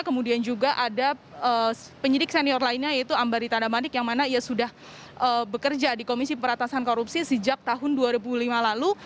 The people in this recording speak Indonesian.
kemudian juga ada penyidik senior lainnya yaitu ambaritana manik yang mana ia sudah bekerja di komisi pemberantasan korupsi sejak tahun dua ribu lima lalu